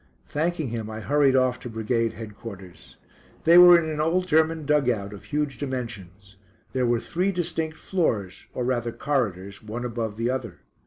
Thanking him I hurried off to Brigade Headquarters. They were in an old German dug out of huge dimensions. There were three distinct floors or rather corridors, one above the other.